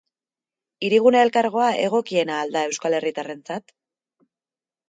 Hirigune Elkargoa egokiena al da euskal herritarrentzat?